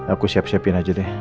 aku siap siapin aja deh